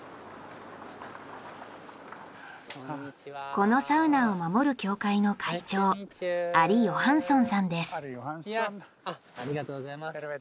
このサウナを守る協会の会長アリ・ヨハンソンさんです。